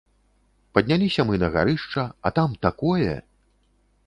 Падняліся мы на гарышча, а там такое!